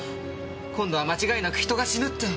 今度は間違いなく人が死ぬって。